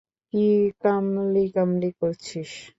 কি কামলি কামলি করছিস।